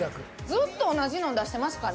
ずっと同じの出してますから。